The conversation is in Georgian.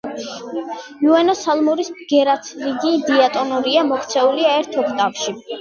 უენო სალამურის ბგერათრიგი დიატონურია, მოქცეულია ერთ ოქტავაში.